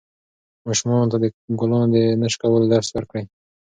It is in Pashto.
ماشومانو ته د ګلانو د نه شکولو درس ورکړئ.